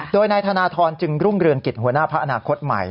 โดยนายธนทรจึงรุ่งเรืองกิจหัวหน้าพักอนาคตใหม่